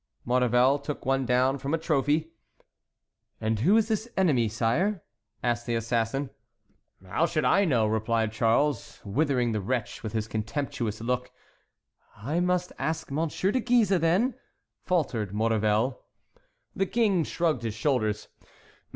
Maurevel took one down from a trophy. "And who is this enemy, sire?" asked the assassin. "How should I know," replied Charles, withering the wretch with his contemptuous look. "I must ask M. de Guise, then," faltered Maurevel. The King shrugged his shoulders.